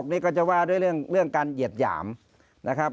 นี่ก็จะว่าด้วยเรื่องการเหยียดหยามนะครับ